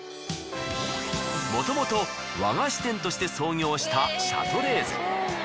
もともと和菓子店として創業したシャトレーゼ。